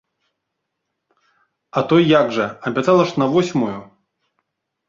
А то як жа, абяцала ж на восьмую!